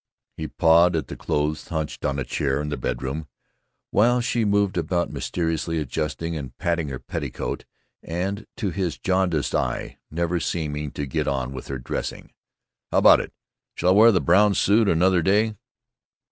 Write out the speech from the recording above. He pawed at the clothes hunched on a chair in their bedroom, while she moved about mysteriously adjusting and patting her petticoat and, to his jaundiced eye, never seeming to get on with her dressing. "How about it? Shall I wear the brown suit another day?"